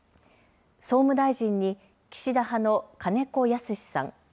総務大臣に、岸田派の金子恭之さん。